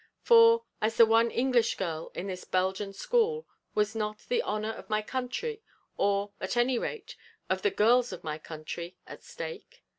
For, as the one English girl in this Belgian school, was not the honour of my country, or, at any rate, of the girls of my country, at stake?